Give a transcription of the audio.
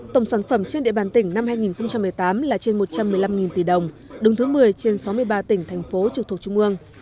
tổng sản phẩm trên địa bàn tỉnh năm hai nghìn một mươi tám là trên một trăm một mươi năm tỷ đồng đứng thứ một mươi trên sáu mươi ba tỉnh thành phố trực thuộc trung ương